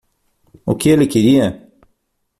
O que ele queria?